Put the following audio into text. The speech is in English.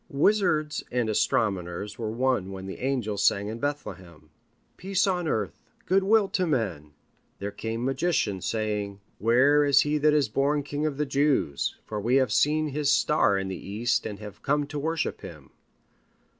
Wizards and astronomers were one when the angels sang in Bethlehem, "Peace on Earth, Good Will to Men." There came magicians, saying, "Where is he that is born king of the Jews, for we have seen his star in the east and have come to worship him?"